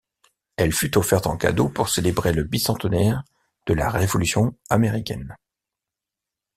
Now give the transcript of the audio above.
Elle fut offerte en cadeau pour célébrer le bicentenaire de la Révolution américaine.